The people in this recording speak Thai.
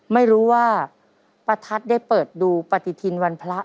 ไม่รู้ว่าประทัดได้เปิดดูปฏิทินวันพระ